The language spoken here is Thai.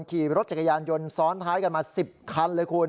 ขี่รถจักรยานยนต์ซ้อนท้ายกันมา๑๐คันเลยคุณ